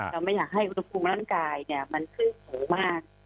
เราไม่อยากให้อุณหภูมิของร่างกายมันคือโหมาก